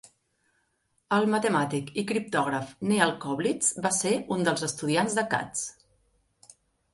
El matemàtic i criptògraf Neal Koblitz va ser un dels estudiants de Katz.